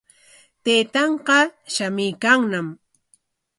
Taytanqa shamuykanñam.